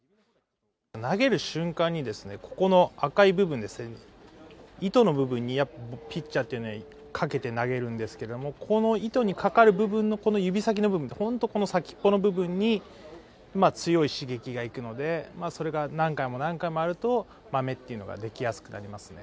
投げる瞬間にですね、ここの赤い部分ですね、糸の部分に、ピッチャーってね、かけて投げるんですけど、この糸にかかる部分のこの指先の部分、本当この先っぽの部分に、強い刺激がいくので、それが何回も何回もあると、まめっていうのが出来やすくなりますね。